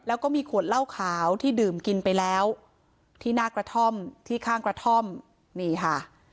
แล้วก็มีขวดเหล้าขาวที่ดื่มกินไปแล้วที่หน้ากระท่อมที่ข้างกระท่อมนี่ค่ะ